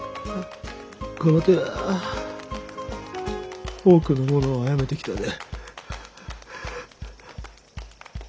この手は多くの者をあやめてきたで。